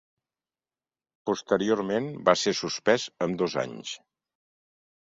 Posteriorment va ser suspès amb dos anys.